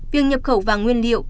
việc nhập khẩu vàng nguyên liệu